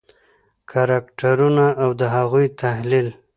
کرکټرونه او د هغوی تحلیل: